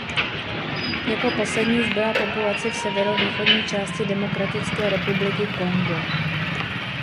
Jako poslední zbyla populace v severovýchodní části Demokratické republiky Kongo.